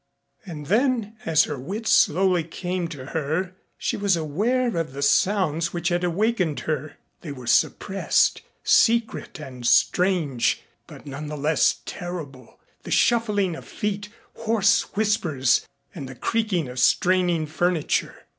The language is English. And then as her wits slowly came to her, she was aware of the sounds which had awakened her. They were suppressed, secret, and strange, but none the less terrible, the shuffling of feet, hoarse whispers, and the creaking of straining furniture.